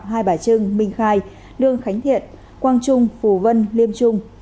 hai bà trưng minh khai lương khánh thiện quang trung phù vân liêm trung